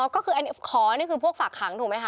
ก็คือขอนี่คือพวกฝากขังถูกไหมคะ